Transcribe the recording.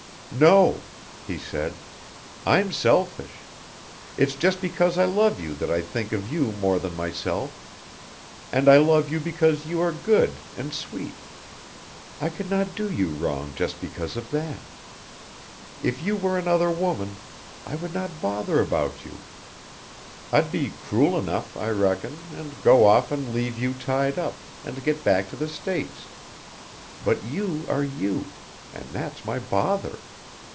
"No," he said, "I'm selfish. It's just because I love you that I think of you more than myself, and I love you because you are good and sweet. I could not do you wrong just because of that. If you were another woman, I would not bother about you. I'd be cruel enough, I reckon, and go off and leave you tied up, and get back to the States but you are you, and that's my bother.